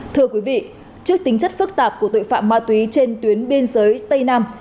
thưa quý vị trước tính chất phức tạp của tội phạm ma túy trên tuyến biên giới tây nam